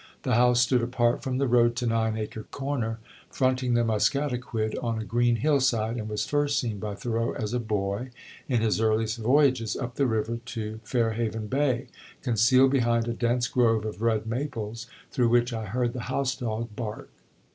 The house stood apart from the road to Nine Acre Corner, fronting the Musketaquid on a green hill side, and was first seen by Thoreau as a boy, in his earliest voyages up the river to Fairhaven Bay, "concealed behind a dense grove of red maples, through which I heard the house dog bark."